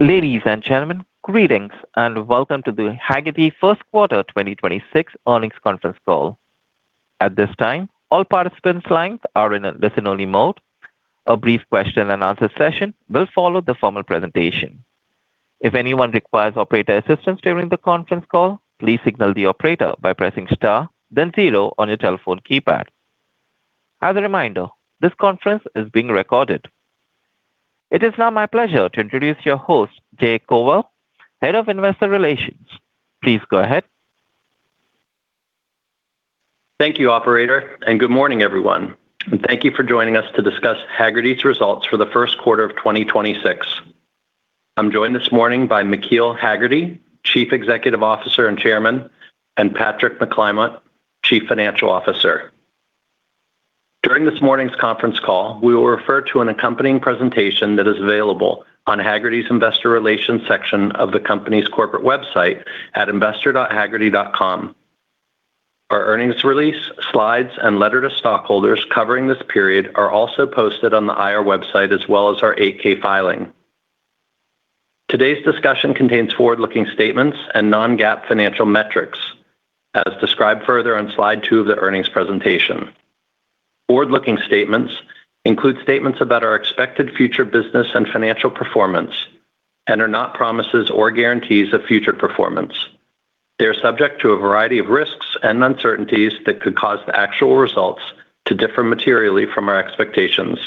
Ladies and gentlemen, greetings, and welcome to the Hagerty Q1 2026 earnings conference call. At this time, all participants' lines are in a listen only mode. A brief question and answer session will follow the formal presentation. If anyone requires operator assistance during the conference call, please signal the operator by pressing star then zero on your telephone keypad. As a reminder, this conference is being recorded. It is now my pleasure to introduce your host, Jay Koval, Head of Investor Relations. Please go ahead. Thank you, operator, good morning, everyone. Thank you for joining us to discuss Hagerty's results for the Q1 of 2026. I'm joined this morning by McKeel Hagerty, Chief Executive Officer and Chairman, and Patrick McClymont, Chief Financial Officer. During this morning's conference call, we will refer to an accompanying presentation that is available on Hagerty's investor relations section of the company's corporate website at investor.hagerty.com. Our earnings release, slides, and letter to stockholders covering this period are also posted on the IR website as well as our 8-K filing. Today's discussion contains forward-looking statements and non-GAAP financial metrics as described further on slide two of the earnings presentation. Forward-looking statements include statements about our expected future business and financial performance and are not promises or guarantees of future performance. They are subject to a variety of risks and uncertainties that could cause the actual results to differ materially from our expectations.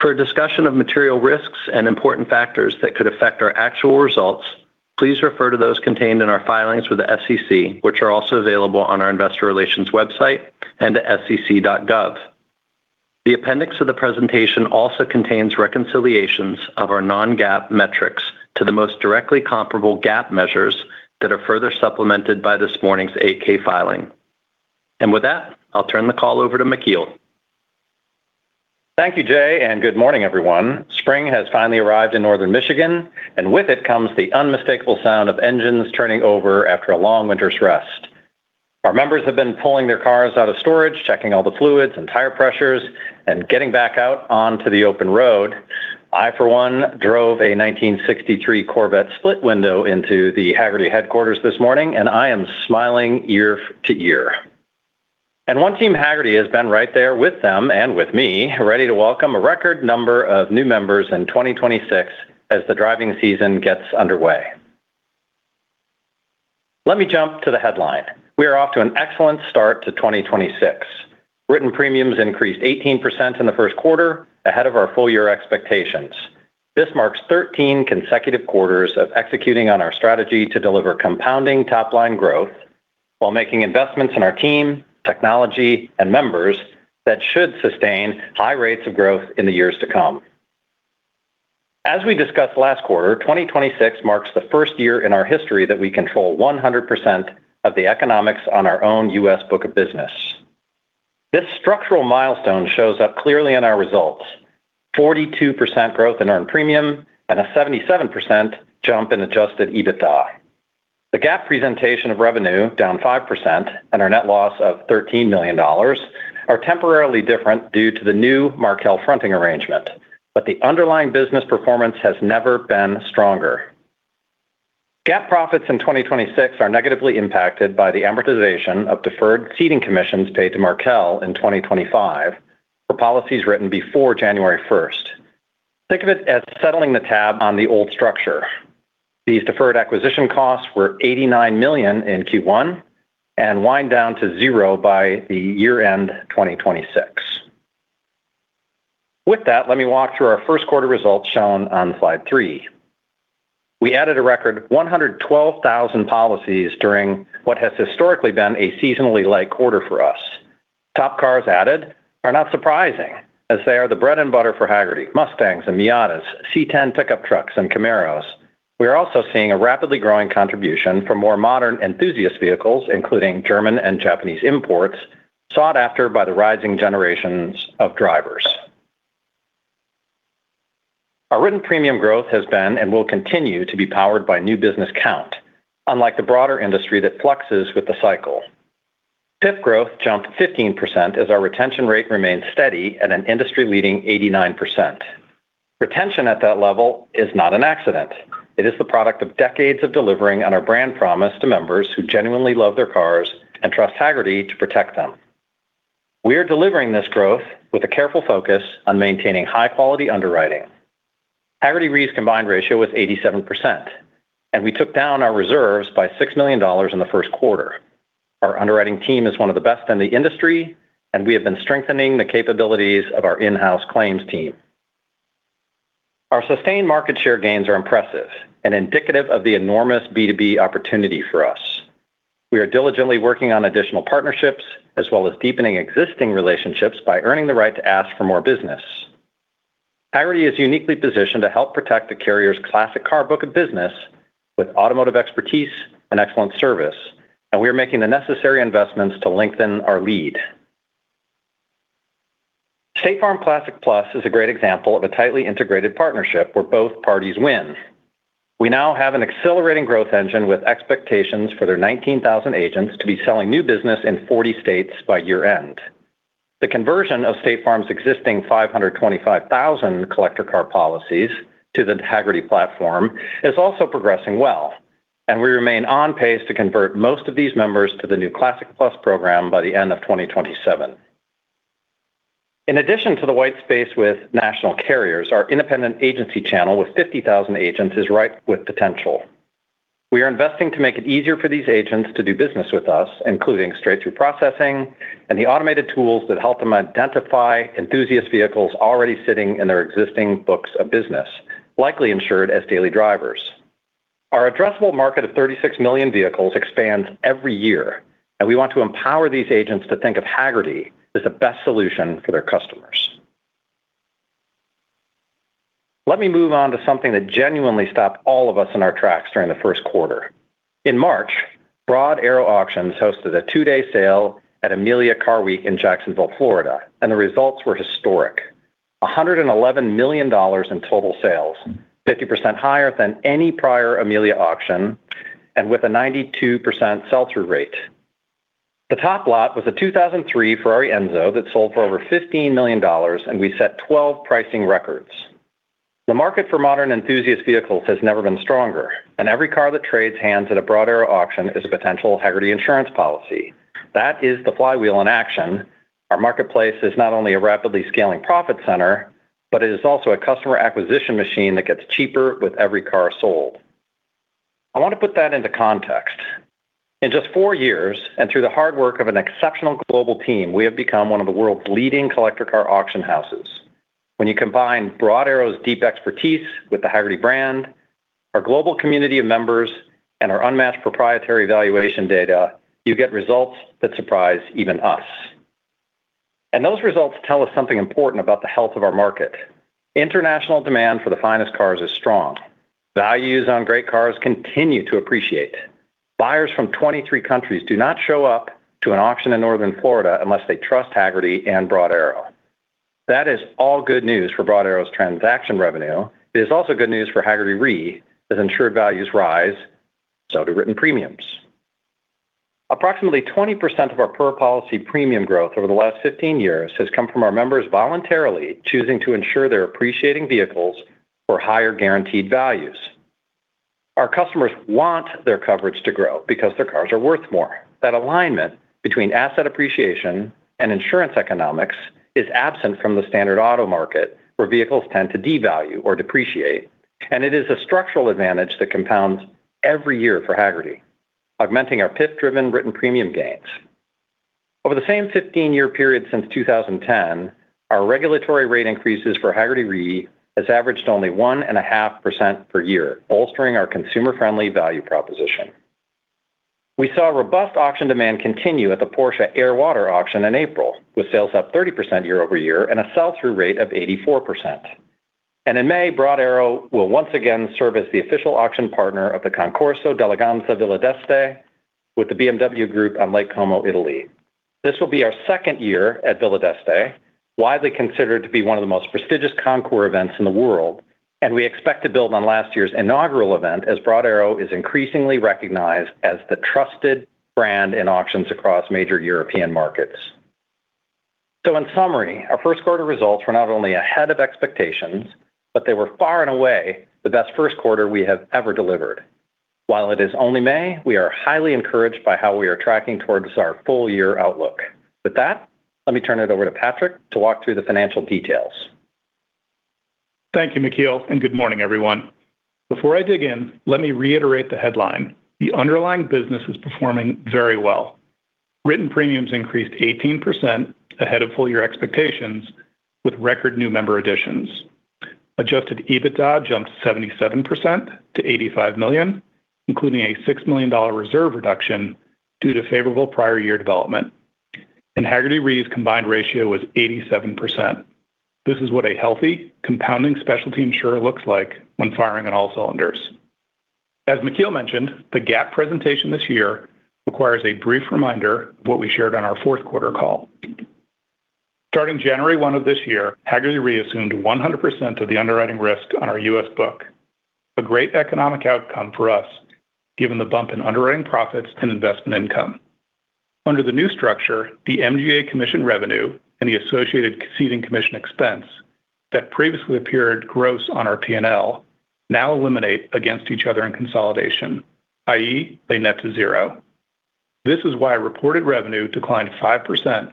For a discussion of material risks and important factors that could affect our actual results, please refer to those contained in our filings with the SEC, which are also available on our investor relations website and at sec.gov. The appendix of the presentation also contains reconciliations of our non-GAAP metrics to the most directly comparable GAAP measures that are further supplemented by this morning's 8-K filing. With that, I'll turn the call over to McKeel. Thank you, Jay. Good morning, everyone. Spring has finally arrived in northern Michigan, with it comes the unmistakable sound of engines turning over after a long winter's rest. Our members have been pulling their cars out of storage, checking all the fluids and tire pressures, getting back out onto the open road. I, for one, drove a 1963 Corvette split window into the Hagerty headquarters this morning. I am smiling ear to ear. One Team Hagerty has been right there with them and with me, ready to welcome a record number of new members in 2026 as the driving season gets underway. Let me jump to the headline. We are off to an excellent start to 2026. Written premiums increased 18% in the Q1, ahead of our full year expectations. This marks 13 consecutive quarters of executing on our strategy to deliver compounding top-line growth while making investments in our team, technology, and members that should sustain high rates of growth in the years to come. As we discussed last quarter, 2026 marks the first year in our history that we control 100% of the economics on our own U.S. book of business. This structural milestone shows up clearly in our results. 42% growth in earned premium and a 77% jump in adjusted EBITDA. The GAAP presentation of revenue down 5% and our net loss of $13 million are temporarily different due to the new Markel fronting arrangement, but the underlying business performance has never been stronger. GAAP profits in 2026 are negatively impacted by the amortization of deferred ceding commissions paid to Markel in 2025 for policies written before January first. Think of it as settling the tab on the old structure. These deferred acquisition costs were $89 million in Q1 and wind down to zero by the year-end 2026. With that, let me walk through our Q1 results shown on slide three. We added a record 112,000 policies during what has historically been a seasonally light quarter for us. Top cars added are not surprising, as they are the bread and butter for Hagerty, Mustangs and Miatas, C10 pickup trucks and Camaros. We are also seeing a rapidly growing contribution from more modern enthusiast vehicles, including German and Japanese imports, sought after by the rising generations of drivers. Our written premium growth has been and will continue to be powered by new business count, unlike the broader industry that fluxes with the cycle. PIF growth jumped 15% as our retention rate remained steady at an industry-leading 89%. Retention at that level is not an accident. It is the product of decades of delivering on our brand promise to members who genuinely love their cars and trust Hagerty to protect them. We are delivering this growth with a careful focus on maintaining high-quality underwriting. Hagerty Re's combined ratio was 87%, and we took down our reserves by $6 million in the Q1. Our underwriting team is one of the best in the industry, and we have been strengthening the capabilities of our in-house claims team. Our sustained market share gains are impressive and indicative of the enormous B2B opportunity for us. We are diligently working on additional partnerships as well as deepening existing relationships by earning the right to ask for more business. Hagerty is uniquely positioned to help protect the carrier's classic car book of business with automotive expertise and excellent service, and we are making the necessary investments to lengthen our lead. State Farm Classic+ is a great example of a tightly integrated partnership where both parties win. We now have an accelerating growth engine with expectations for their 19,000 agents to be selling new business in 40 states by year-end. The conversion of State Farm's existing 525,000 collector car policies to the Hagerty platform is also progressing well, and we remain on pace to convert most of these members to the new Classic+ program by the end of 2027. In addition to the white space with national carriers, our independent agency channel with 50,000 agents is ripe with potential. We are investing to make it easier for these agents to do business with us, including straight-through processing and the automated tools that help them identify enthusiast vehicles already sitting in their existing books of business, likely insured as daily drivers. Our addressable market of 36 million vehicles expands every year, and we want to empower these agents to think of Hagerty as the best solution for their customers. Let me move on to something that genuinely stopped all of us in our tracks during the Q1. In March, Broad Arrow Auctions hosted a two-day sale at Amelia Car Week in Jacksonville, Florida, and the results were historic. $111 million in total sales, 50% higher than any prior Amelia auction and with a 92% sell-through rate. The top lot was a 2003 Ferrari Enzo that sold for over $15 million, and we set 12 pricing records. The market for modern enthusiast vehicles has never been stronger, and every car that trades hands at a Broad Arrow auction is a potential Hagerty insurance policy. That is the flywheel in action. Our marketplace is not only a rapidly scaling profit center, but it is also a customer acquisition machine that gets cheaper with every car sold. I want to put that into context. In just four years, and through the hard work of an exceptional global team, we have become one of the world's leading collector car auction houses. When you combine Broad Arrow's deep expertise with the Hagerty brand, our global community of members, and our unmatched proprietary valuation data, you get results that surprise even us. Those results tell us something important about the health of our market. International demand for the finest cars is strong. Values on great cars continue to appreciate. Buyers from 23 countries do not show up to an auction in northern Florida unless they trust Hagerty and Broad Arrow. That is all good news for Broad Arrow's transaction revenue. It is also good news for Hagerty Re as insured values rise, so do written premiums. Approximately 20% of our per-policy premium growth over the last 15 years has come from our members voluntarily choosing to insure their appreciating vehicles for higher guaranteed values. Our customers want their coverage to grow because their cars are worth more. That alignment between asset appreciation and insurance economics is absent from the standard auto market where vehicles tend to devalue or depreciate, and it is a structural advantage that compounds every year for Hagerty, augmenting our PIF-driven written premium gains. Over the same 15-year period since 2010, our regulatory rate increases for Hagerty Re has averaged only 1.5% per year, bolstering our consumer-friendly value proposition. We saw robust auction demand continue at the Porsche Air|Water auction in April, with sales up 30% year-over-year and a sell-through rate of 84%. In May, Broad Arrow will once again serve as the official auction partner of the Concorso d'Eleganza Villa d'Este with the BMW Group on Lake Como, Italy. This will be our second year at Villa d'Este, widely considered to be one of the most prestigious concours events in the world. We expect to build on last year's inaugural event as Broad Arrow is increasingly recognized as the trusted brand in auctions across major European markets. In summary, our Q1 results were not only ahead of expectations, but they were far and away the best Q1 we have ever delivered. While it is only May, we are highly encouraged by how we are tracking towards our full year outlook. With that, let me turn it over to Patrick to walk through the financial details. Thank you, McKeel. Good morning, everyone. Before I dig in, let me reiterate the headline. The underlying business was performing very well. Written premiums increased 18% ahead of full year expectations with record new member additions. Adjusted EBITDA jumped 77% to $85 million, including a $6 million reserve reduction due to favorable prior year development. Hagerty Re's combined ratio was 87%. This is what a healthy compounding specialty insurer looks like when firing on all cylinders. As McKeel mentioned, the GAAP presentation this year requires a brief reminder of what we shared on our Q4 call. Starting January one of this year, Hagerty Re assumed 100% of the underwriting risk on our U.S. book, a great economic outcome for us given the bump in underwriting profits and investment income. Under the new structure, the MGA commission revenue and the associated ceding commission expense that previously appeared gross on our P&L now eliminate against each other in consolidation, i.e., they net to zero. This is why reported revenue declined 5%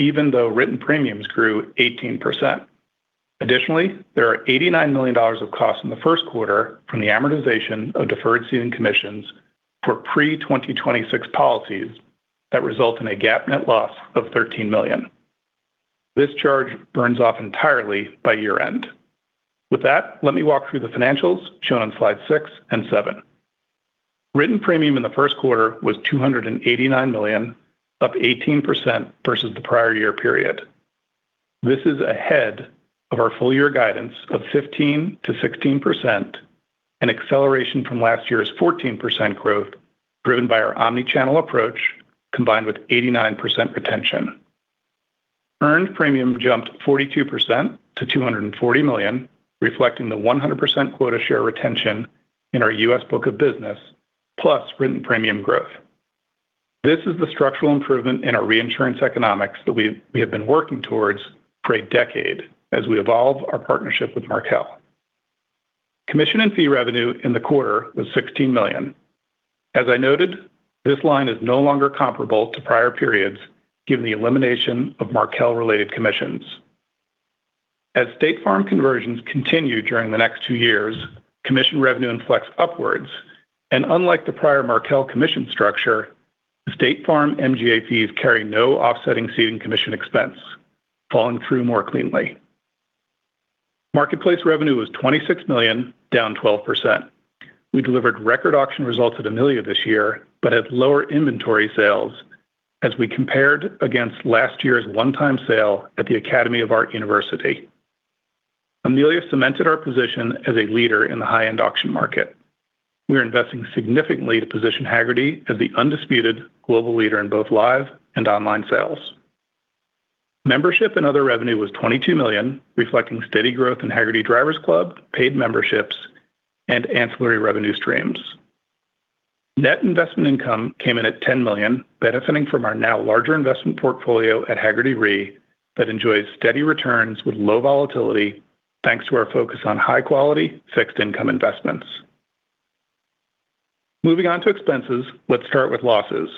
even though written premiums grew 18%. Additionally, there are $89 million of costs in the Q1 from the amortization of deferred ceding commissions for pre-2026 policies that result in a GAAP net loss of $13 million. This charge burns off entirely by year-end. With that, let me walk through the financials shown on slide six and seven. Written premium in the Q1 was $289 million, up 18% versus the prior year period. This is ahead of our full year guidance of 15%-16%, an acceleration from last year's 14% growth driven by our omni-channel approach combined with 89% retention. Earned premium jumped 42% to $240 million, reflecting the 100% quota share retention in our U.S. book of business, plus written premium growth. This is the structural improvement in our reinsurance economics that we have been working towards for a decade as we evolve our partnership with Markel. Commission and fee revenue in the quarter was $16 million. As I noted, this line is no longer comparable to prior periods given the elimination of Markel-related commissions. As State Farm conversions continue during the next two years, commission revenue reflects upwards, and unlike the prior Markel commission structure, State Farm MGA fees carry no offsetting ceding commission expense, falling through more cleanly. Marketplace revenue was $26 million, down 12%. We delivered record auction results at Amelia this year, at lower inventory sales as we compared against last year's one-time sale at the Academy of Art University. Amelia cemented our position as a leader in the high-end auction market. We are investing significantly to position Hagerty as the undisputed global leader in both live and online sales. Membership and other revenue was $22 million, reflecting steady growth in Hagerty Drivers Club, paid memberships, and ancillary revenue streams. Net investment income came in at $10 million, benefiting from our now larger investment portfolio at Hagerty Re that enjoys steady returns with low volatility, thanks to our focus on high-quality fixed income investments. Moving on to expenses, let's start with losses.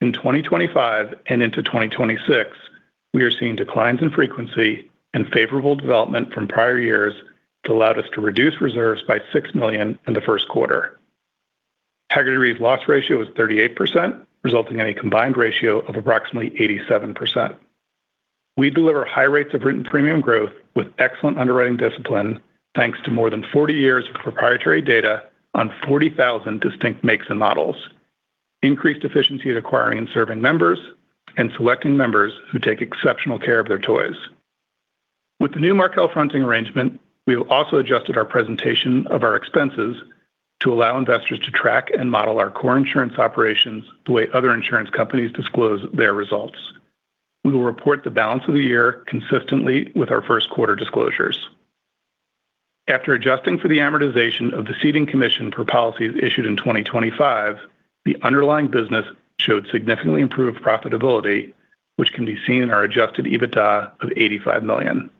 In 2025 and into 2026, we are seeing declines in frequency and favorable development from prior years that allowed us to reduce reserves by $6 million in the Q1. Hagerty Re's loss ratio is 38%, resulting in a combined ratio of approximately 87%. We deliver high rates of written premium growth with excellent underwriting discipline, thanks to more than 40 years of proprietary data on 40,000 distinct makes and models, increased efficiency at acquiring and serving members, and selecting members who take exceptional care of their toys. With the new Markel fronting arrangement, we have also adjusted our presentation of our expenses to allow investors to track and model our core insurance operations the way other insurance companies disclose their results. We will report the balance of the year consistently with our Q1 disclosures. After adjusting for the amortization of the ceding commission for policies issued in 2025, the underlying business showed significantly improved profitability, which can be seen in our adjusted EBITDA of $85 million.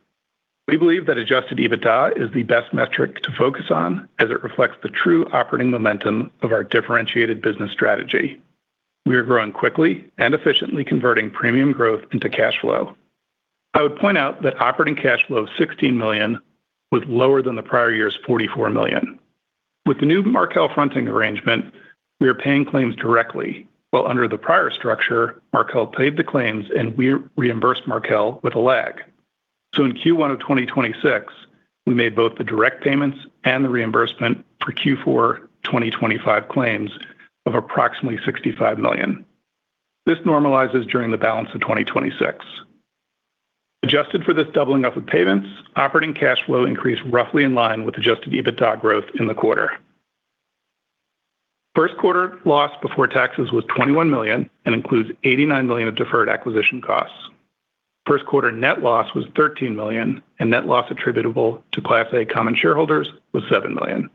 We believe that adjusted EBITDA is the best metric to focus on as it reflects the true operating momentum of our differentiated business strategy. We are growing quickly and efficiently converting premium growth into cash flow. I would point out that operating cash flow of $16 million was lower than the prior year's $44 million. With the new Markel fronting arrangement, we are paying claims directly, while under the prior structure, Markel paid the claims and we reimbursed Markel with a lag. In Q1 of 2026, we made both the direct payments and the reimbursement for Q4 2025 claims of approximately $65 million. This normalizes during the balance of 2026. Adjusted for this doubling up of payments, operating cash flow increased roughly in line with adjusted EBITDA growth in the quarter. Q1 loss before taxes was $21 million and includes $89 million of deferred acquisition costs. Q1 net loss was $13 million and net loss attributable to Class A common shareholders was $7 million.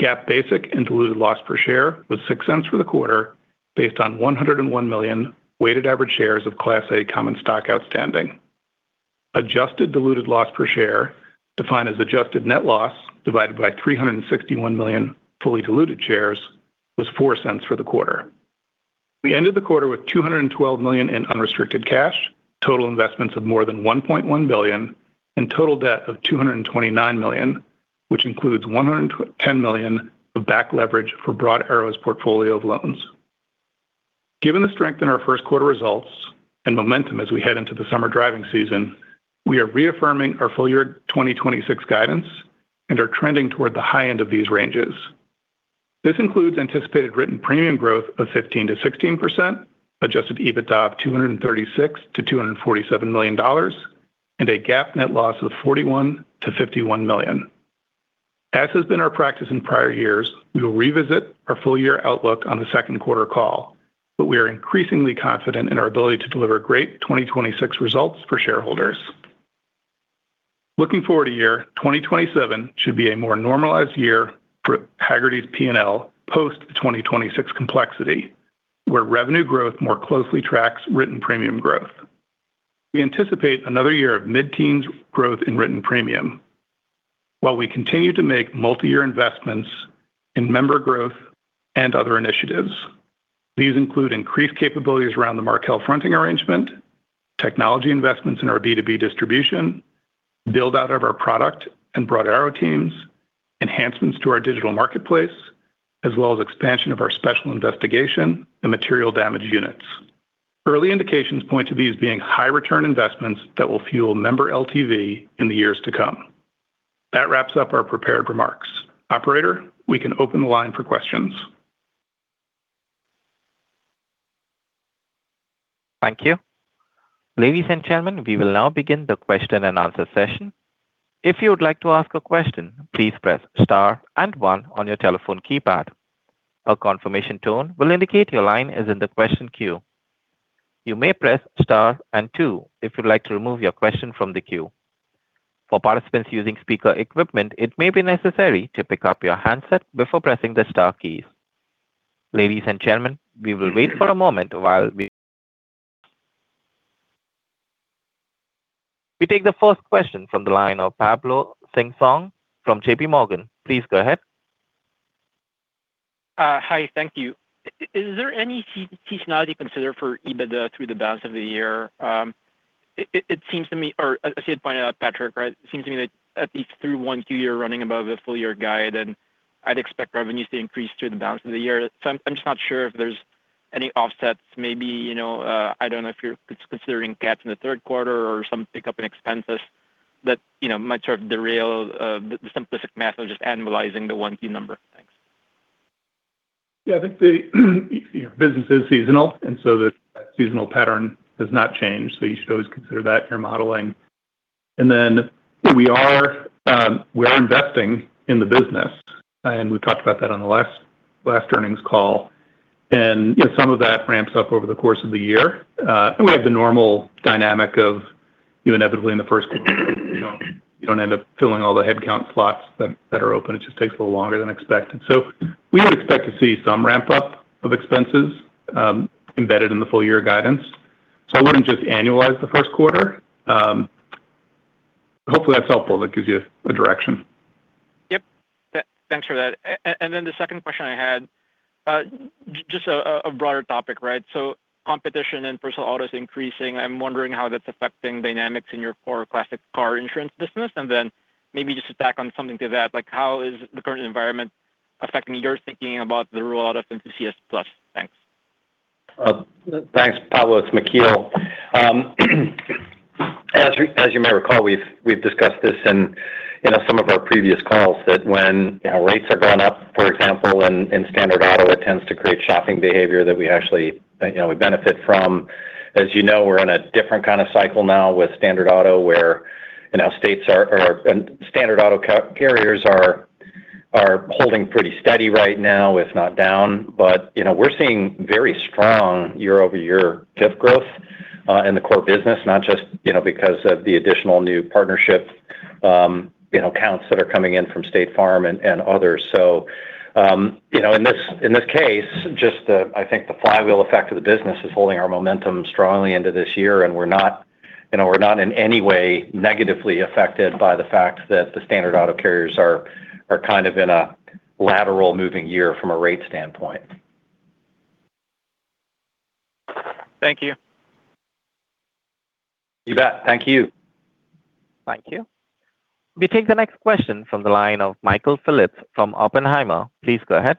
GAAP basic and diluted loss per share was $0.06 for the quarter based on 101 million weighted average shares of Class A common stock outstanding. Adjusted diluted loss per share, defined as adjusted net loss divided by 361 million fully diluted shares, was $0.04 for the quarter. We ended the quarter with $212 million in unrestricted cash, total investments of more than $1.1 billion, and total debt of $229 million, which includes $110 million of back leverage for Broad Arrow's portfolio of loans. Given the strength in our Q1 results and momentum as we head into the summer driving season, we are reaffirming our full year 2026 guidance and are trending toward the high end of these ranges. This includes anticipated written premium growth of 15%-16%, adjusted EBITDA of $236 million-$247 million, and a GAAP net loss of $41 million-$51 million. As has been our practice in prior years, we will revisit our full year outlook on the Q2 call, but we are increasingly confident in our ability to deliver great 2026 results for shareholders. Looking forward a year, 2027 should be a more normalized year for Hagerty's P&L post the 2026 complexity, where revenue growth more closely tracks written premium growth. We anticipate another year of mid-teens growth in written premium, while we continue to make multi-year investments in member growth and other initiatives. These include increased capabilities around the Markel fronting arrangement, technology investments in our B2B distribution, build-out of our product and Broad Arrow teams, enhancements to our digital marketplace, as well as expansion of our special investigation and material damage units. Early indications point to these being high return investments that will fuel member LTV in the years to come. That wraps up our prepared remarks. Operator, we can open the line for questions. Thank you. Ladies and gentlemen, we will now begin the question and answer session. If you would like to ask a question, please press star one on your telephone keypad. A confirmation tone will indicate your line is in the question queue. You may press star two if you'd like to remove your question from the queue. For participants using speaker equipment, it may be necessary to pick up your handset before pressing the star keys. Ladies and gentlemen, we will wait for a moment while we take the first question from the line of Pablo Singzon from JPMorgan. Please go ahead. Hi. Thank you. Is there any seasonality considered for EBITDA through the balance of the year? It seems to me, or I see it pointed out, Patrick, right? It seems to me that at least through Q1, you're running above the full year guide, and I'd expect revenues to increase through the balance of the year. I'm just not sure if there's any offsets maybe, you know, I don't know if you're considering gaps in the Q3 or some pickup in expenses that, you know, might sort of derail the simplistic math of just annualizing the Q1 number. Yeah. I think the business is seasonal, the seasonal pattern has not changed. You should always consider that in your modeling. We are investing in the business. We've talked about that on the last earnings call. You know, some of that ramps up over the course of the year. We have the normal dynamic of you inevitably in the Q1, you don't end up filling all the headcount slots that are open. It just takes a little longer than expected. We would expect to see some ramp up of expenses embedded in the full year guidance. I wouldn't just annualize the Q1. Hopefully that's helpful. That gives you a direction. Yep. Thanks for that. Then the second question I had, just a broader topic, right? Competition in personal auto is increasing. I'm wondering how that's affecting dynamics in your core classic car insurance business, and then maybe just to tack on something to that, like how is the current environment affecting your thinking about the rollout of Enthusiast+? Thanks. Thanks, Pablo. It's McKeel. As you may recall, we've discussed this in some of our previous calls that when, you know, rates have gone up, for example, in standard auto, it tends to create shopping behavior that we actually, you know, we benefit from. As you know, we're in a different kind of cycle now with standard auto where, you know, states are and standard auto carriers are holding pretty steady right now, if not down. We're seeing very strong year-over-year PIF growth in the core business, not just, you know, because of the additional new partnership, you know, accounts that are coming in from State Farm and others. You know, in this, in this case, I think the flywheel effect of the business is holding our momentum strongly into this year, and we're not, you know, we're not in any way negatively affected by the fact that the standard auto carriers are kind of in a lateral moving year from a rate standpoint. Thank you. You bet. Thank you. Thank you. We take the next question from the line of Michael Phillips from Oppenheimer. Please go ahead.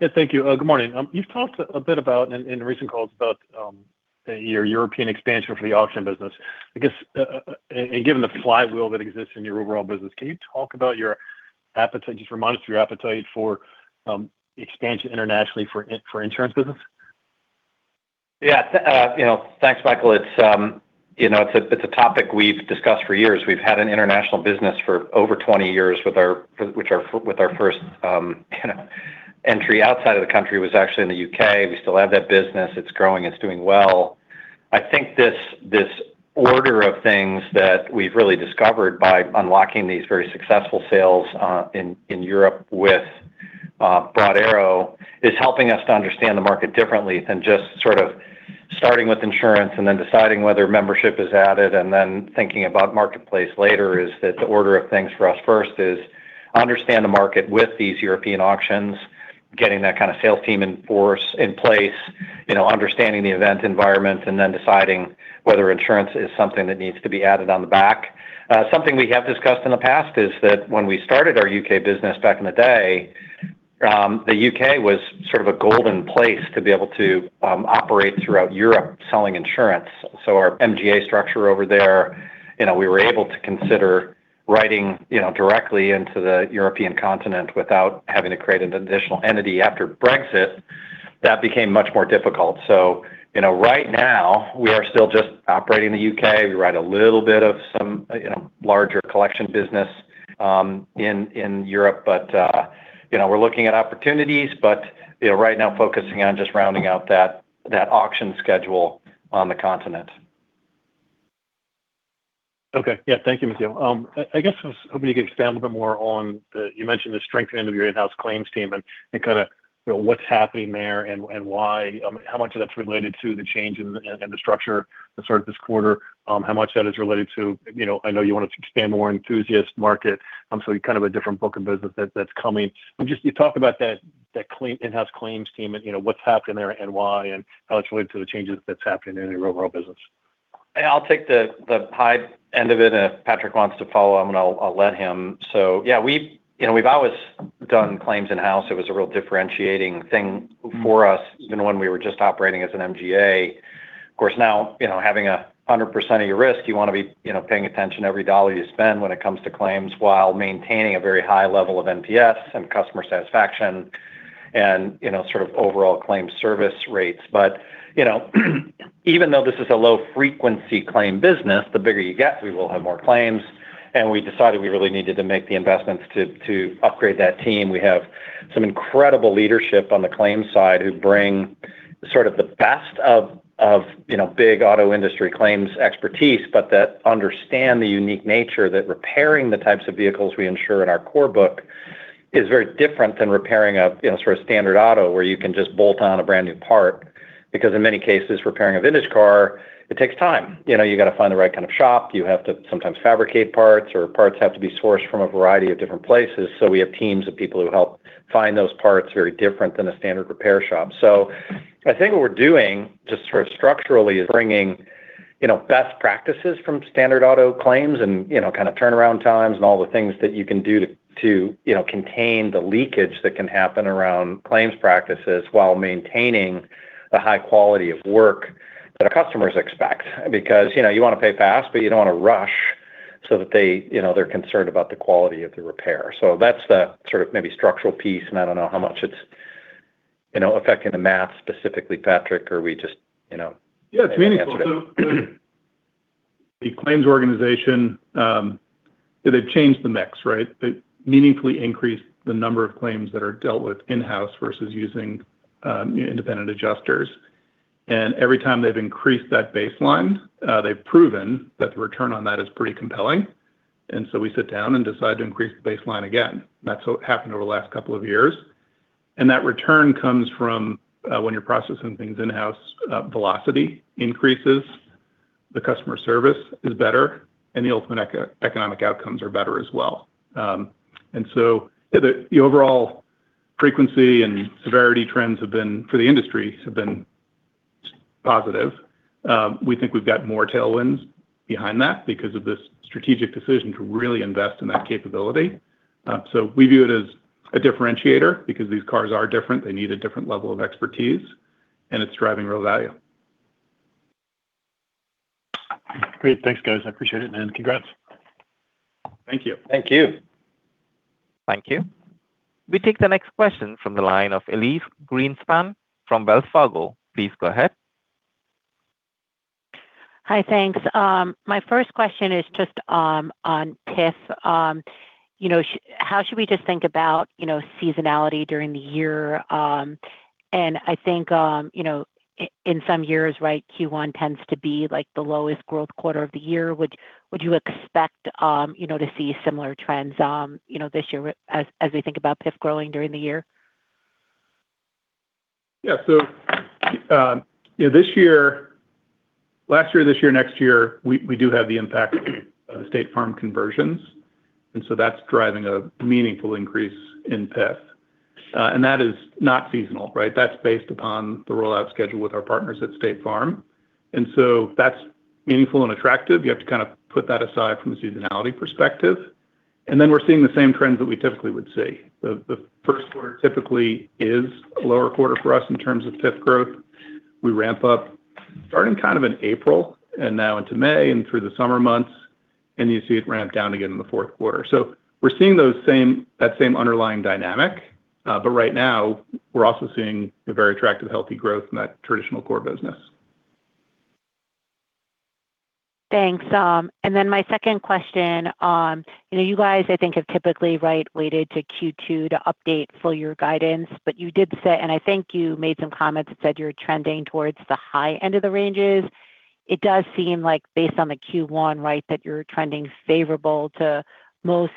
Yeah, thank you. Good morning. You've talked a bit about in recent calls about your European expansion for the auction business. I guess, given the flywheel that exists in your overall business, can you talk about your appetite, just remind us of your appetite for expansion internationally for insurance business? Yeah, you know, thanks, Michael. It's, you know, it's a topic we've discussed for years. We've had an international business for over 20 years with our first kind of entry outside of the country was actually in the U.K. We still have that business. It's growing. It's doing well. I think this order of things that we've really discovered by unlocking these very successful sales in Europe with Broad Arrow is helping us to understand the market differently than just sort of starting with insurance and then deciding whether membership is added and then thinking about marketplace later is that the order of things for us first is understand the market with these European auctions, getting that kind of sales team in force, in place. You know, understanding the event environment and then deciding whether insurance is something that needs to be added on the back. Something we have discussed in the past is that when we started our U.K. business back in the day, the U.K. was sort of a golden place to be able to operate throughout Europe selling insurance. Our MGA structure over there, you know, we were able to consider writing, you know, directly into the European continent without having to create an additional entity. After Brexit, that became much more difficult. You know, right now, we are still just operating in the U.K. We write a little bit of some, you know, larger collection business in Europe. We're looking at opportunities, but, you know, right now focusing on just rounding out that auction schedule on the continent. Okay. Yeah. Thank you, McKeel. I guess I was hoping you could expand a bit more on the, you mentioned the strength end of your in-house claims team and kinda, you know, what's happening there and why? How much of that's related to the change in the structure that started this quarter? How much that is related to, you know, I know you want to expand more Enthusiast+, so kind of a different book of business that's coming. Just you talked about that claim, in-house claims team and, you know, what's happened there and why and how it's related to the changes that's happening in your overall business? I'll take the high end of it. If Patrick wants to follow, I'll let him. Yeah, we've, you know, we've always done claims in-house. It was a real differentiating thing for us even when we were just operating as an MGA. Of course, now, you know, having 100% of your risk, you wanna be, you know, paying attention every dollar you spend when it comes to claims while maintaining a very high level of NPS and customer satisfaction and, you know, sort of overall claim service rates. You know, even though this is a low frequency claim business, the bigger you get, we will have more claims. And we decided we really needed to make the investments to upgrade that team. We have some incredible leadership on the claims side who bring sort of the best of, you know, big auto industry claims expertise, but that understand the unique nature that repairing the types of vehicles we insure in our core book is very different than repairing a, you know, sort of standard auto where you can just bolt on a brand-new part. In many cases, repairing a vintage car, it takes time. You know, you gotta find the right kind of shop. You have to sometimes fabricate parts or parts have to be sourced from a variety of different places. We have teams of people who help find those parts very different than a standard repair shop. I think what we're doing just sort of structurally is bringing, you know, best practices from standard auto claims and, you know, kind of turnaround times and all the things that you can do to, you know, contain the leakage that can happen around claims practices while maintaining the high quality of work that our customers expect. You know, you wanna pay fast, but you don't wanna rush so that they, you know, they're concerned about the quality of the repair. That's the sort of maybe structural piece, and I don't know how much it's, you know, affecting the math specifically, Patrick, or we just, you know. Yeah, it's meaningful. The claims organization, that had changed the mix, right? They meaningfully increased the number of claims that are dealt with in-house versus using independent adjusters. Every time they've increased that baseline, they've proven that the return on that is pretty compelling. We sit down and decide to increase the baseline again. That's what happened over the last couple of years. That return comes from, when you're processing things in-house, velocity increases, the customer service is better, and the ultimate economic outcomes are better as well. The overall frequency and severity trends have been, for the industry, have been positive. We think we've got more tailwinds behind that because of this strategic decision to really invest in that capability. We view it as a differentiator because these cars are different. They need a different level of expertise, and it's driving real value. Great. Thanks, guys. I appreciate it. Congrats. Thank you. Thank you. Thank you. We take the next question from the line of Elyse Greenspan from Wells Fargo. Please go ahead. Hi. Thanks. My first question is on PIF. You know, how should we think about, you know, seasonality during the year? I think, you know, in some years, right, Q1 tends to be, like, the lowest growth quarter of the year. Would you expect, you know, to see similar trends, you know, this year as we think about PIF growing during the year? You know, this year, last year, this year, next year, we do have the impact of State Farm conversions, that's driving a meaningful increase in PIF. That is not seasonal, right? That's based upon the rollout schedule with our partners at State Farm. That's meaningful and attractive. You have to kind of put that aside from a seasonality perspective. We're seeing the same trends that we typically would see. The Q1 typically is a lower quarter for us in terms of PIF growth. We ramp up starting kind of in April and now into May and through the summer months, and you see it ramp down again in the Q4. We're seeing that same underlying dynamic. Right now, we're also seeing a very attractive, healthy growth in that traditional core business. Thanks. My second question, you know, you guys, I think, have typically, right, waited to Q2 to update full year guidance. You did say, and I think you made some comments that said you're trending towards the high end of the ranges. It does seem like based on the Q1, right, that you're trending favorable to most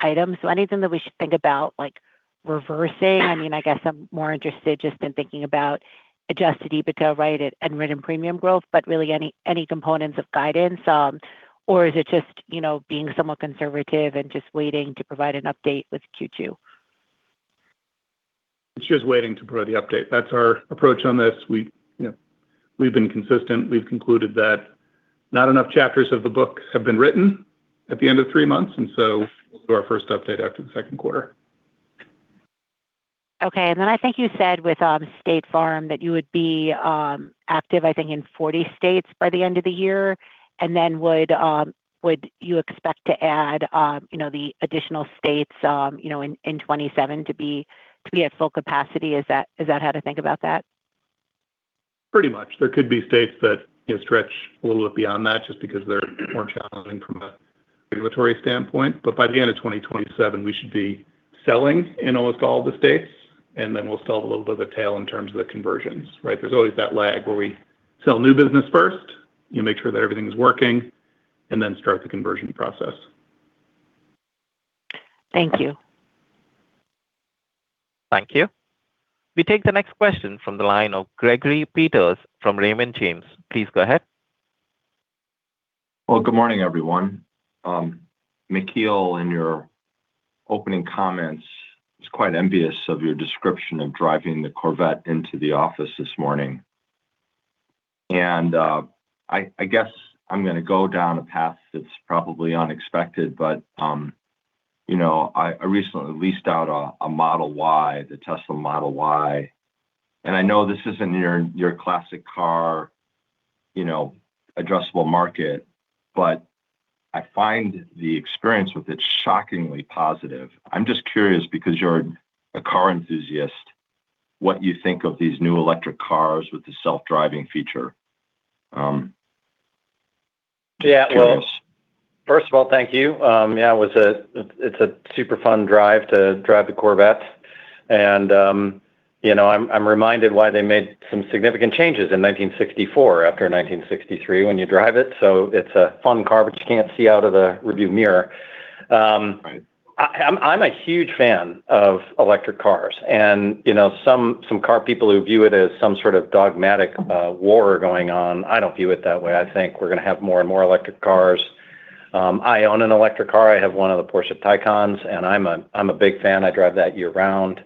items. Anything that we should think about, like, reversing? I mean, I guess I'm more interested just in thinking about adjusted EBITDA, right, at unwritten premium growth, really any components of guidance. Is it just, you know, being somewhat conservative and just waiting to provide an update with Q2? It's just waiting to provide the update. That's our approach on this. We, you know, we've been consistent. We've concluded that not enough chapters of the book have been written at the end of three months. We'll do our first update after the Q2. Okay. I think you said with State Farm that you would be active, I think, in 40 states by the end of the year. Would you expect to add the additional states in 27 to be at full capacity? Is that how to think about that? Pretty much. There could be states that, you know, stretch a little bit beyond that just because they're more challenging from a regulatory standpoint. By the end of 2027, we should be selling in almost all the states, and then we'll sell a little bit of the tail in terms of the conversions, right? There's always that lag where we sell new business first. You make sure that everything is working, and then start the conversion process. Thank you. Thank you. We take the next question from the line of Gregory Peters from Raymond James. Please go ahead. Well, good morning, everyone. McKeel, in your opening comments, I was quite envious of your description of driving the Corvette into the office this morning. I guess I'm gonna go down a path that's probably unexpected, but, you know, I recently leased out a Model Y, the Tesla Model Y. I know this isn't your classic car, you know, addressable market, but I find the experience with it shockingly positive. I'm just curious because you're a car enthusiast. What you think of these new electric cars with the self-driving feature? Yeah. I'm curious. First of all, thank you. Yeah, it's a super fun drive to drive the Corvette. You know, I'm reminded why they made some significant changes in 1964 after 1963 when you drive it. It's a fun car, but you can't see out of the review mirror. Right. I'm a huge fan of electric cars. You know, some car people who view it as some sort of dogmatic war going on. I don't view it that way. I think we're gonna have more and more electric cars. I own an electric car. I have one of the Porsche Taycans, and I'm a big fan. I drive that year-round.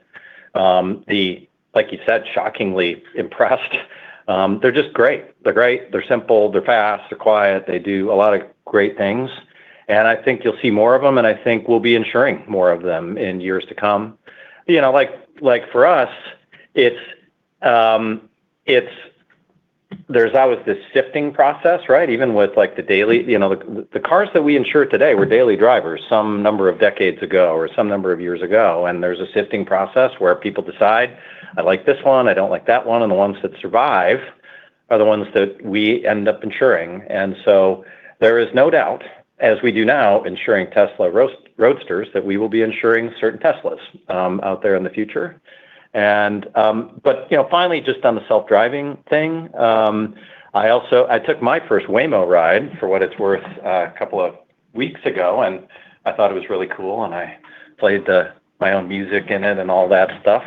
Like you said, shockingly impressed. They're just great. They're great. They're simple. They're fast. They're quiet. They do a lot of great things, and I think you'll see more of them, and I think we'll be insuring more of them in years to come. You know, like, for us, it's there's always this sifting process, right? Even with, like, the daily You know, the cars that we insure today were daily drivers some number of decades ago or some number of years ago, and there's a sifting process where people decide, "I like this one. I don't like that one." The ones that survive are the ones that we end up insuring. There is no doubt, as we do now, insuring Tesla Roadsters, that we will be insuring certain Teslas out there in the future. You know, finally, just on the self-driving thing, I took my first Waymo ride, for what it's worth, a couple of weeks ago, and I thought it was really cool, and I played my own music in it and all that stuff.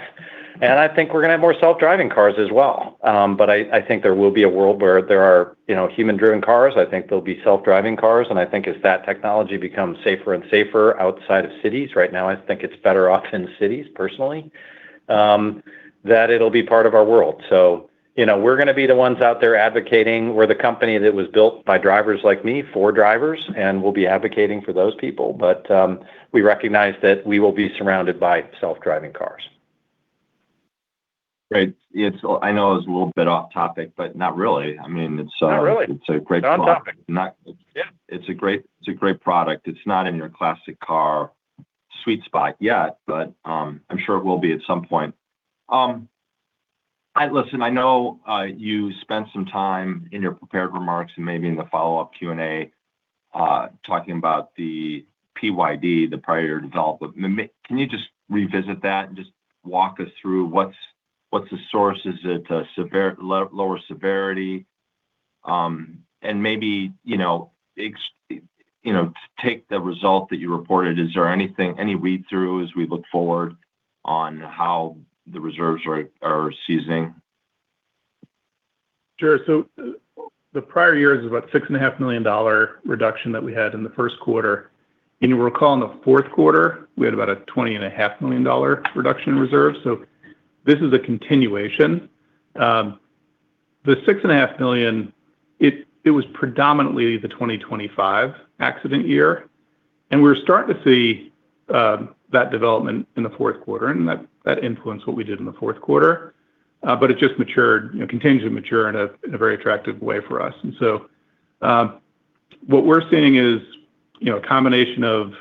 I think we're gonna have more self-driving cars as well. I think there will be a world where there are, you know, human-driven cars. I think there'll be self-driving cars, and I think as that technology becomes safer and safer outside of cities right now, I think it's better off in cities personally, that it'll be part of our world. You know, we're gonna be the ones out there advocating. We're the company that was built by drivers like me for drivers, and we'll be advocating for those people. We recognize that we will be surrounded by self-driving cars. Great. I know it's a little bit off topic, but not really. Not really. It's a great product. On topic. Not- Yeah. It's a great product. It's not in your classic car sweet spot yet, but I'm sure it will be at some point. Listen, I know you spent some time in your prepared remarks and maybe in the follow-up Q&A, talking about the PYD, the prior year development. Can you just revisit that and just walk us through what's the source? Is it a lower severity? Maybe, you know, take the result that you reported. Is there anything, any read-through as we look forward on how the reserves are seizing? Sure. The prior year is about a $6.5 million reduction that we had in the Q1. You'll recall in the Q4, we had about a $20.5 million reduction in reserve. This is a continuation. The $6.5 million, it was predominantly the 2025 accident year, and we're starting to see that development in the Q4, and that influenced what we did in the Q4. It just matured, you know, continues to mature in a very attractive way for us. What we're seeing is, you know, a combination of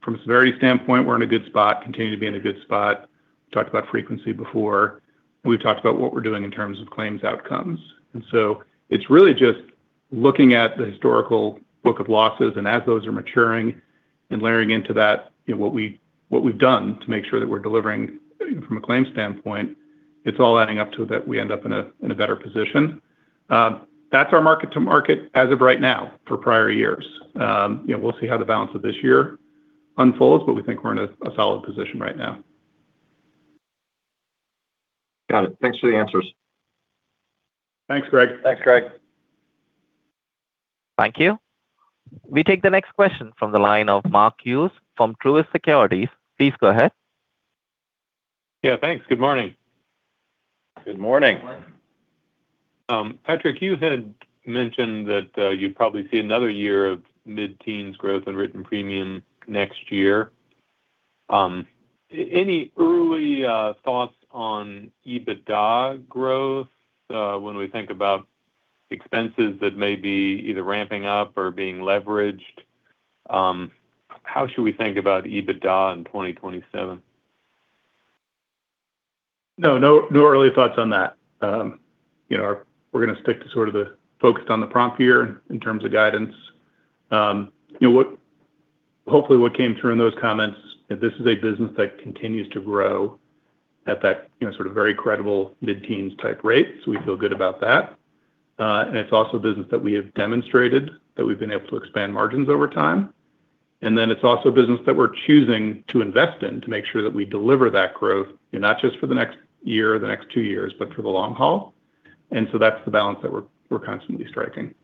from a severity standpoint, we're in a good spot, continue to be in a good spot. Talked about frequency before. We've talked about what we're doing in terms of claims outcomes. It's really just looking at the historical book of losses, and as those are maturing and layering into that, you know, what we've done to make sure that we're delivering from a claim standpoint, it's all adding up to that we end up in a better position. That's our market to market as of right now for prior years. You know, we'll see how the balance of this year unfolds, but we think we're in a solid position right now. Got it. Thanks for the answers. Thanks, Greg. Thanks, Greg. Thank you. We take the next question from the line of Mark Hughes from Truist Securities. Please go ahead. Yeah, thanks. Good morning. Good morning. Morning. Patrick, you had mentioned that you'd probably see another year of mid-teens growth in written premium next year. Any early thoughts on EBITDA growth when we think about expenses that may be either ramping up or being leveraged? How should we think about EBITDA in 2027? No, no early thoughts on that. you know, we're gonna stick to sort of the focus on the prompt here in terms of guidance. you know what, hopefully what came through in those comments, this is a business that continues to grow at that, you know, sort of very credible mid-teens type rates. We feel good about that. It's also a business that we have demonstrated that we've been able to expand margins over time. It's also a business that we're choosing to invest in to make sure that we deliver that growth, you know, not just for the next year or the next two years, but for the long haul. That's the balance that we're constantly striking.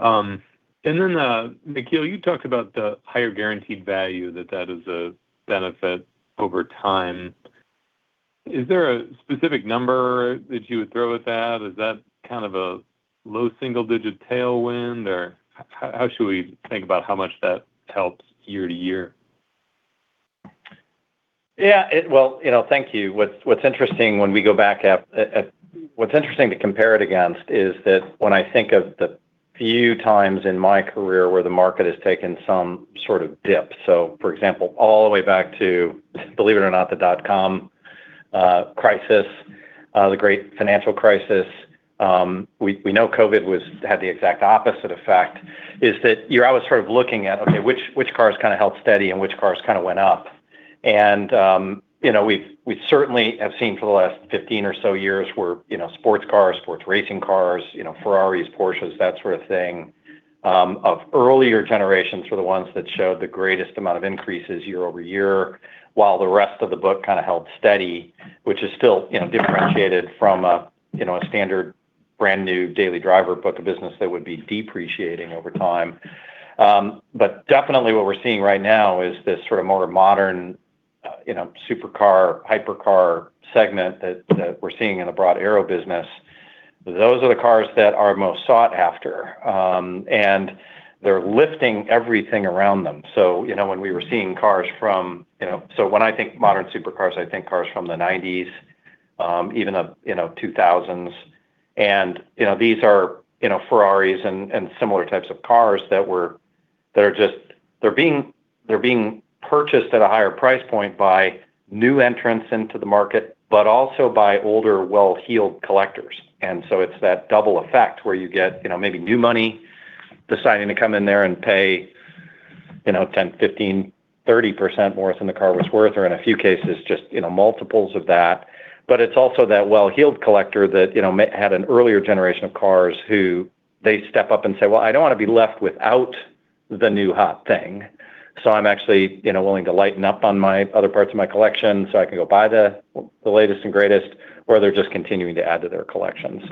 McKeel, you talked about the higher guaranteed value, that is a benefit over time. Is there a specific number that you would throw at that? Is that kind of a low single-digit tailwind? Or how should we think about how much that helps year-to-year? Yeah. Well, you know, thank you. What's interesting when we go back, what's interesting to compare it against is that when I think of the few times in my career where the market has taken some sort of dip. For example, all the way back to, believe it or not, the dot-com crisis, the great financial crisis, we know COVID was had the exact opposite effect, is that you're always sort of looking at, okay, which cars kind of held steady and which cars kind of went up. You know, we've, we certainly have seen for the last 15 or so years where, you know, sports cars, sports racing cars, you know, Ferraris, Porsches, that sort of thing, of earlier generations were the ones that showed the greatest amount of increases year-over-year, while the rest of the book kind of held steady, which is still, you know, differentiated from a, you know, a standard brand-new daily driver book of business that would be depreciating over time. Definitely what we're seeing right now is this sort of more modern, you know, supercar, hypercar segment that we're seeing in a Broad Arrow Auctions business. Those are the cars that are most sought after, and they're lifting everything around them. You know, when we were seeing cars from You know, when I think modern supercars, I think cars from the 1990s, even, you know, 2000s, and, you know, these are, you know, Ferrari and similar types of cars that are just They're being purchased at a higher price point by new entrants into the market, but also by older, well-heeled collectors. It's that double effect where you get, you know, maybe new money deciding to come in there and pay, you know, 10%, 15%, 30% more than the car was worth, or in a few cases, just, you know, multiples of that. It's also that well-heeled collector that, you know, had an earlier generation of cars who they step up and say, "Well, I don't wanna be left without the new hot thing, so I'm actually, you know, willing to lighten up on my other parts of my collection so I can go buy the latest and greatest," or they're just continuing to add to their collection.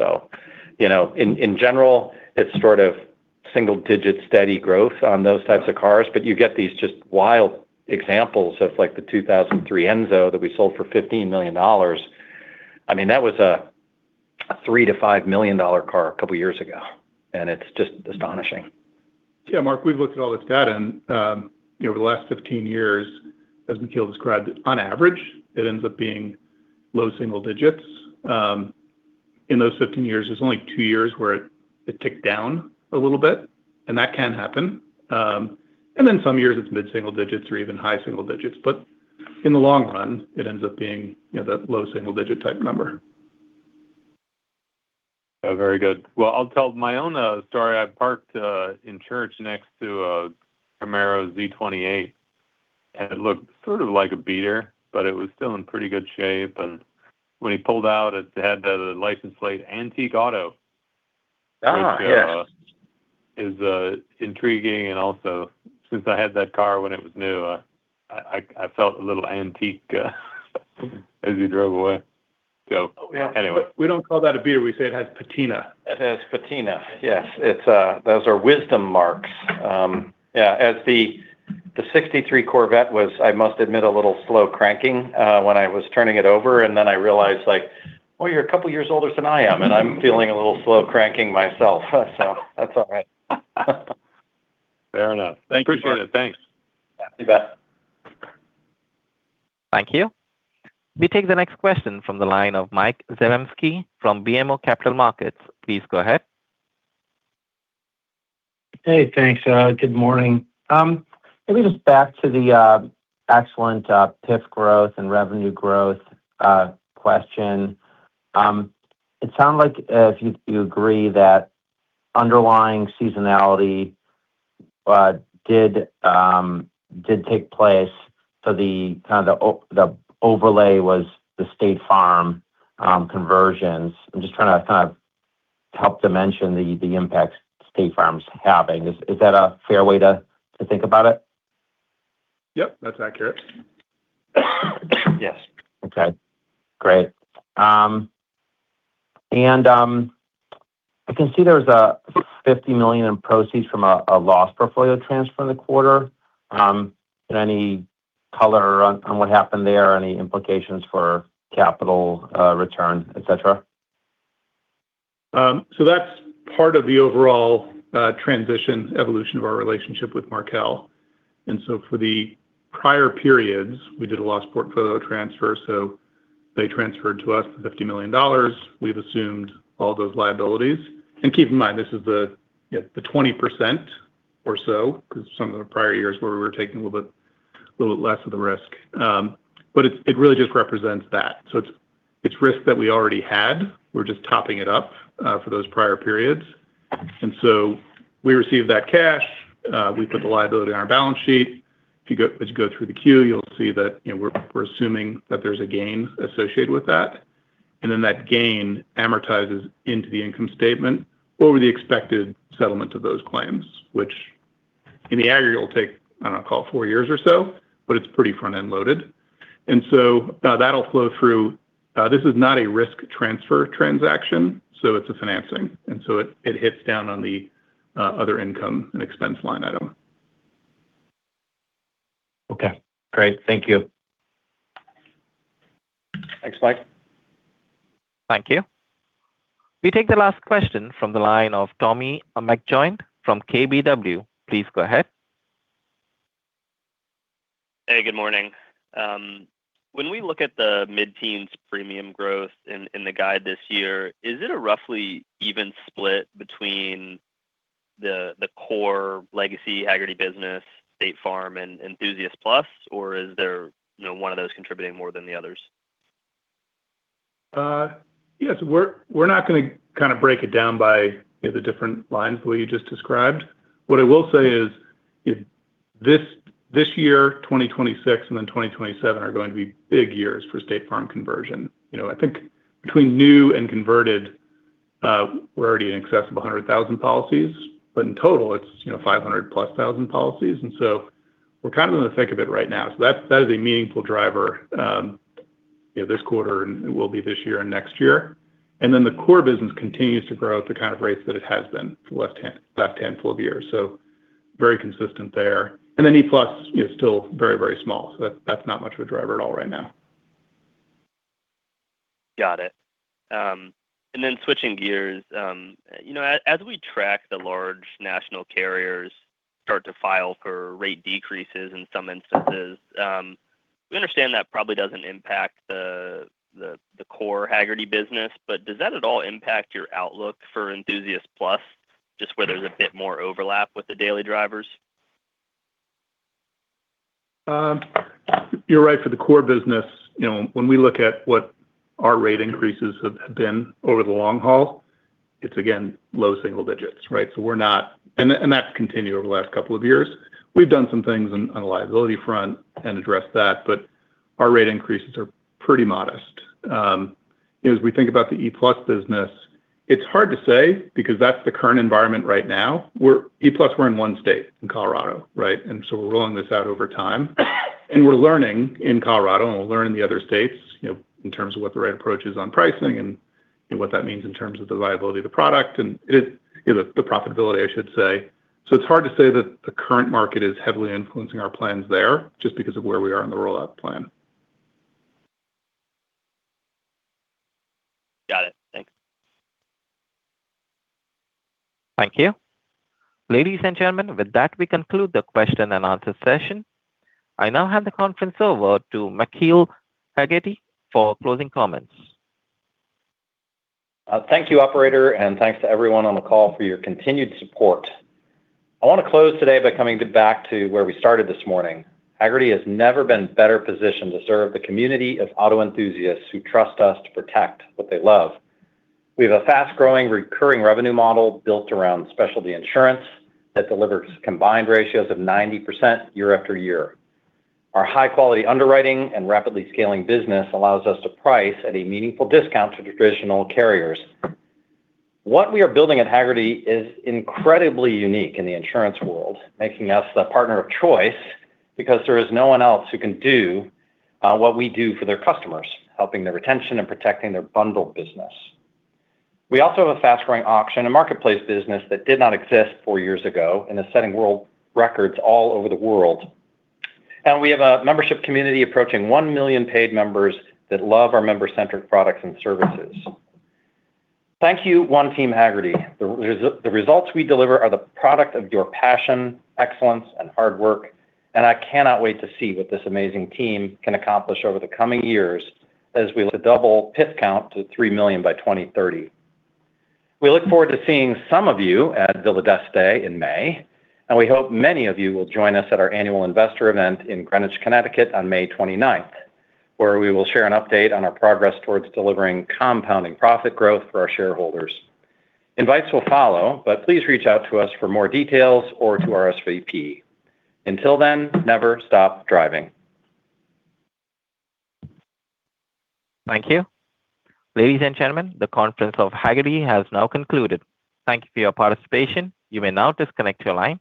You know, in general, it's sort of single digit steady growth on those types of cars. You get these just wild examples of like the 2003 Enzo that we sold for $15 million. I mean, that was a $3 million-$5 million car a couple of years ago, and it's just astonishing. Yeah, Mark, we've looked at all this data and, you know, over the last 15 years, as McKeel described, on average, it ends up being low single digits. In those 15 years, there's only two years where it ticked down a little bit. That can happen. Some years it's mid-single digits or even high single digits. In the long run, it ends up being, you know, that low single digit type number. Oh, very good. Well, I'll tell my own story. I parked in church next to a Camaro Z28, and it looked sort of like a beater, but it was still in pretty good shape. When he pulled out, it had the license plate, Antique Auto. Yes. Which is intriguing and also, since I had that car when it was new, I felt a little antique as he drove away. Anyway. We don't call that a beater. We say it has patina. It has patina. Yes. It's, those are wisdom marks. As the 63 Corvette was, I must admit, a little slow cranking when I was turning it over, and then I realized like, "Oh, you're a couple of years older than I am, and I'm feeling a little slow cranking myself." That's all right. Fair enough. Thank you. Appreciate it. Thanks. You bet. Thank you. We take the next question from the line of Michael Zaremski from BMO Capital Markets. Please go ahead. Hey, thanks. Good morning. Maybe just back to the excellent PIF growth and revenue growth question. It sounded like you agree that underlying seasonality did take place. The kind of the overlay was the State Farm conversions. I'm just trying to kind of help dimension the impact State Farm's having. Is that a fair way to think about it? Yep, that's accurate. Yes. Okay, great. I can see there's a $50 million in proceeds from a loss portfolio transfer in the quarter. Any color on what happened there? Any implications for capital return, et cetera? That's part of the overall transition evolution of our relationship with Markel. For the prior periods, we did a loss portfolio transfer. They transferred to us $50 million. We've assumed all those liabilities. Keep in mind, this is the, you know, the 20% or so, 'cause some of the prior years where we were taking a little bit less of the risk. It really just represents that. It's risk that we already had. We're just topping it up for those prior periods. We received that cash. We put the liability on our balance sheet. As you go through the Q, you'll see that, you know, we're assuming that there's a gain associated with that. That gain amortizes into the income statement over the expected settlement of those claims, which in the aggregate will take, I don't know, call it four years or so, but it's pretty front-end loaded. That'll flow through. This is not a risk transfer transaction, so it's a financing, and so it hits down on the other income and expense line item. Okay, great. Thank you. Thanks, Mike. Thank you. We take the last question from the line of Tommy McJoynt from KBW. Please go ahead. Hey, good morning. When we look at the mid-teens premium growth in the guide this year, is it a roughly even split between the core legacy Hagerty business, State Farm, and Enthusiast+, or is there, you know, one of those contributing more than the others? Yes. We're not gonna kind of break it down by, you know, the different lines the way you just described. What I will say is if this year, 2026 and then 2027 are going to be big years for State Farm conversion. You know, I think between new and converted, we're already in excess of 100,000 policies, but in total it's, you know, 500+ thousand policies. We're kind of in the thick of it right now. That's, that is a meaningful driver, you know, this quarter and will be this year and next year. The core business continues to grow at the kind of rates that it has been the last handful of years. Very consistent there. In E+ is still very, very small, so that's not much of a driver at all right now. Got it. Then switching gears. You know, as we track the large national carriers start to file for rate decreases in some instances, we understand that probably doesn't impact the core Hagerty business, but does that at all impact your outlook for Enthusiast+ just where there's a bit more overlap with the daily drivers? You're right for the core business. You know, when we look at what our rate increases have been over the long haul, it's again, low single digits, right? We're not. That's continued over the last couple of years. We've done some things on a liability front and addressed that, but our rate increases are pretty modest. You know, as we think about the E+ business, it's hard to say because that's the current environment right now. E+, we're in one state, in Colorado, right? We're rolling this out over time. We're learning in Colorado, and we'll learn in the other states, you know, in terms of what the right approach is on pricing and, you know, what that means in terms of the liability of the product. You know, the profitability, I should say. It's hard to say that the current market is heavily influencing our plans there just because of where we are in the rollout plan. Got it. Thanks. Thank you. Ladies and gentlemen, with that, we conclude the question and answer session. I now hand the conference over to McKeel Hagerty for closing comments. Thank you, operator, and thanks to everyone on the call for your continued support. I want to close today by coming back to where we started this morning. Hagerty has never been better positioned to serve the community of auto enthusiasts who trust us to protect what they love. We have a fast-growing recurring revenue model built around specialty insurance that delivers combined ratios of 90% year after year. Our high-quality underwriting and rapidly scaling business allows us to price at a meaningful discount to traditional carriers. What we are building at Hagerty is incredibly unique in the insurance world, making us the partner of choice because there is no one else who can do what we do for their customers, helping their retention and protecting their bundle business. We also have a fast-growing auction, a marketplace business that did not exist four years ago and is setting world records all over the world. We have a membership community approaching one million paid members that love our member-centric products and services. Thank you, One Team Hagerty. The results we deliver are the product of your passion, excellence and hard work, I cannot wait to see what this amazing team can accomplish over the coming years as we look to double PIF count to three million by 2030. We look forward to seeing some of you at Villa d'Este in May, we hope many of you will join us at our annual investor event in Greenwich, Connecticut on 29 May, where we will share an update on our progress towards delivering compounding profit growth for our shareholders. Invites will follow, but please reach out to us for more details or to RSVP. Until then, never stop driving. Thank you. Ladies and gentlemen, the conference call of Hagerty has now concluded. Thank you for your participation. You may now disconnect your line.